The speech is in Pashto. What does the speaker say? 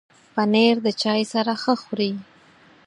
پنېر د چای سره ښه خوري.